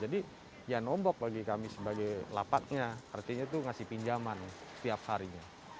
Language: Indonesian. jadi ya nombok bagi kami sebagai lapaknya artinya itu ngasih pinjaman setiap harinya